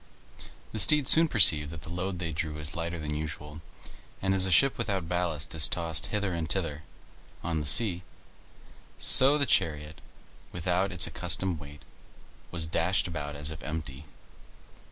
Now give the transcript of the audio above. The steeds soon perceived that the load they drew was lighter than usual; and as a ship without ballast is tossed hither and thither on the sea, so the chariot, without its accustomed weight, was dashed about as if empty.